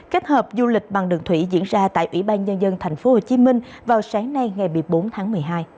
kết hợp du lịch bằng đường thủy diễn ra tại ủy ban nhân dân tp hcm vào sáng nay ngày một mươi bốn tháng một mươi hai